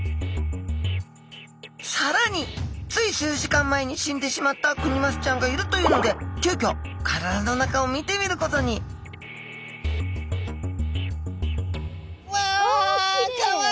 さらについ数時間前に死んでしまったクニマスちゃんがいるというので急きょ体の中を見てみることにうわ！